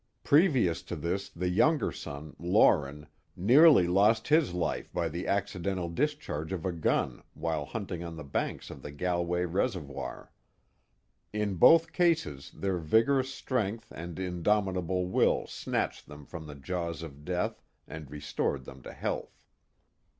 Previous to this the younger son, Lauren, nearly lost his life by the accidental discharge of a gun while hunting on the banks of the Galway reservoir. In both cases their vigorous strength and indomitable will snatched them from the jaws of death and restored them to health.